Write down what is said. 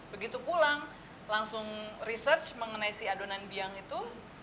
begitu pulang langsung research mengenai si adonan biang itu